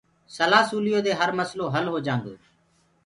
سلآ سُليو دي هر مسلو هل هوجآندو هي۔